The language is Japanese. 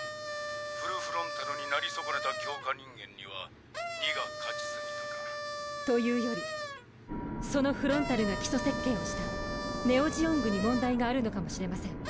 フル・フロンタルになり損ねた強化人間には荷が勝ち過ぎたか。というよりそのフロンタルが基礎設計をしたネオ・ジオングに問題があるのかもしれません。